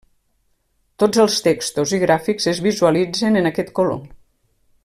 Tots els textos i gràfics es visualitzen en aquest color.